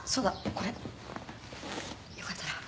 これよかったら。